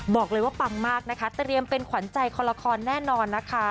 บอกเลยว่าปังมากนะคะเตรียมเป็นขวัญใจคอละครแน่นอนนะคะ